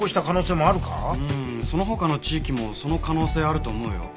うーんその他の地域もその可能性あると思うよ。